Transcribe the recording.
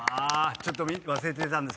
ちょっと忘れてたんですけど。